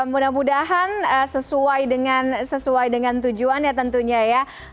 mudah mudahan sesuai dengan tujuan ya tentunya ya